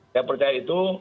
saya percaya itu